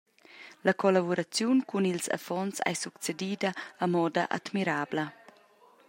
La collavuraziun cun ils affons ei succedida a moda admirabla.